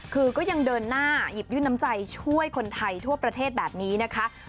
คือก็ยังเดินหน้าหยิบยื่นน้ำใจช่วยคนไทยทั่วประเทศแบบนี้นะคะ